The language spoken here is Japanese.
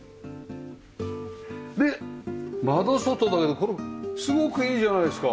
で窓外だけどこれすごくいいじゃないですか。